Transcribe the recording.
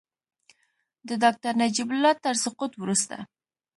د ډاکټر نجیب الله تر سقوط وروسته.